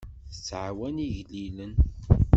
Tettɛawan igellilen.